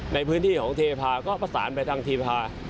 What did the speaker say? ในพื้นที่ของเทพาก็ประสานไปทางเทพา